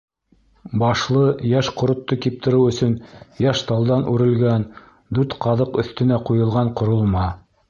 Башлы йәш ҡоротто киптереү өсөн йәш талдан үрелгән, дүрт ҡаҙыҡ өҫтөнә ҡуйылған ҡоролма.